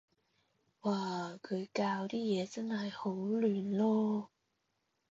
嘩，佢校啲嘢真係好亂囉